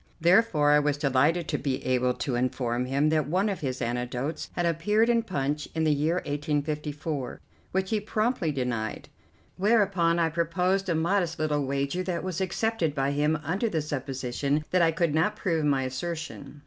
Therefore I was delighted to be able to inform him that one of his anecdotes had appeared in Punch in the year 1854, which he promptly denied, whereupon I proposed a modest little wager that was accepted by him under the supposition that I could not prove my assertion.